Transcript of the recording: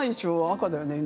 赤だよね」